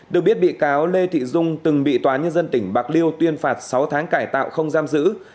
được biết bị cáo lê thị dung từng bị tòa nhân dân tỉnh bạc liêu tuyên phạt sáu tháng cải tạo không giam giữ